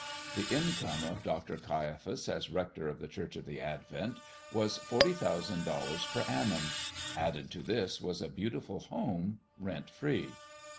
The income of Dr. Caiaphas as rector of the Church of the Advent was forty thousand dollars per annum; added to this was a beautiful home, rent free.